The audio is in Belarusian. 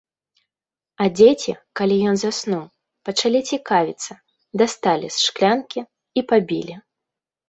А дзеці, калі ён заснуў, пачалі цікавіцца, дасталі з шклянкі і пабілі.